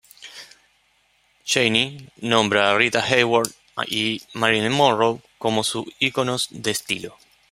Jayne nombra a Rita Hayworth y Marilyn Monroe como sus iconos de estilo.